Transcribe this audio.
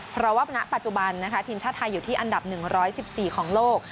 เพราะว่าณปัจจุบันทีมชาติไทยอยู่ที่อันดับ๑๑๔ของโลก